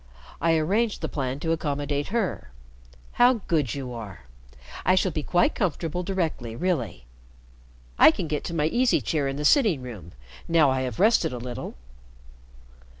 I arranged the plan to accommodate her. How good you are! I shall be quite comfortable directly, really. I can get to my easy chair in the sitting room now I have rested a little."